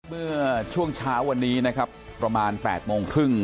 เมื่อช่วงเช้าวันนี้นะครับประมาณ๘โมงครึ่ง